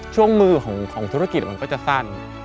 ช่วงมือของธุรกิจมันก็จะสั้น